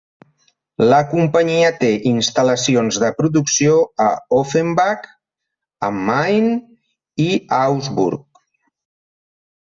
La companyia té instal·lacions de producció a Offenbach am Main i Augsburg.